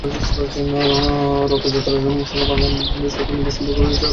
রথযাত্রার সঙ্গে বাংলা যাত্রার নিবিড় সম্পর্ক তৈরি হয়ে আছে সেই প্রাচীনকাল থেকে।